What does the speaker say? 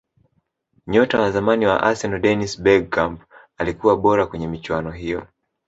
nyota wa zamani wa arsenal dennis bergkamp alikuwa bora kwenye michuano hiyo